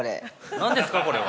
◆何ですかこれは。